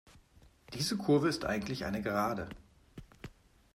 Diese Kurve ist eigentlich eine Gerade.